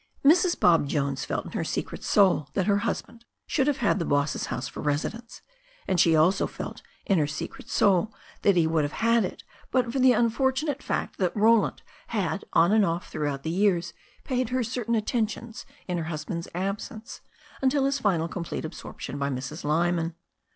Mrs. Bob Jones felt in her secret soul that her husband should have had the boss's house for residence, and she also felt in her secret soul that he would have had it but for the imfortunate fact that Roland had on and off throughout the years paid her certain attentions in her husband's absence, until his final complete absorption by Mrs. Lyman.